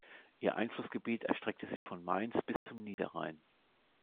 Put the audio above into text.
Ihr Einflussgebiet erstreckte sich von Mainz bis zum Niederrhein.